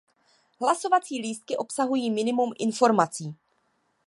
Hlasovací lístky obsahují minimum informací.